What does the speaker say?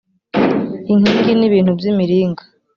inkingi n ibintu by imiringa